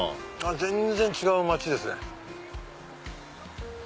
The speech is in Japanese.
全然違う街ですね。